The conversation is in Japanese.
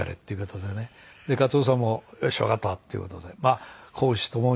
で嘉葎雄さんもよしわかったっていう事でまあ公私ともに。